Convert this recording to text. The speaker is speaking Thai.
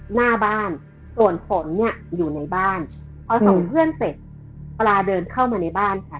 หน้าบ้านส่วนฝนเนี่ยอยู่ในบ้านพอส่งเพื่อนเสร็จปลาเดินเข้ามาในบ้านค่ะ